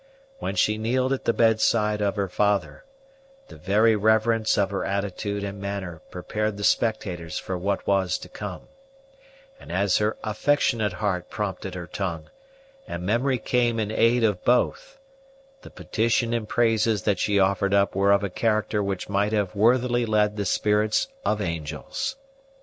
When she kneeled at the bedside of her father, the very reverence of her attitude and manner prepared the spectators for what was to come; and as her affectionate heart prompted her tongue, and memory came in aid of both, the petition and praises that she offered up were of a character which might have worthily led the spirits of angels.